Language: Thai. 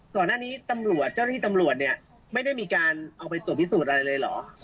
ก่อนหน้านี้ตำรวจเจ้าหน้าที่ตำรวจเนี่ยไม่ได้มีการเอาไปตรวจพิสูจน์อะไรเลยเหรอ